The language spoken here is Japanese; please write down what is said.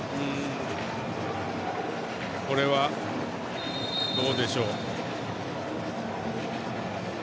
これは、どうでしょう。